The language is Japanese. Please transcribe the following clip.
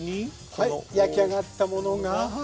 はい焼き上がったものがはははは！